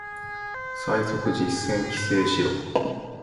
最速実践規制しろ